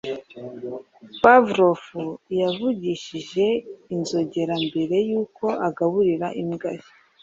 Pavlov yavugije inzogera mbere yuko agaburira imbwa ze.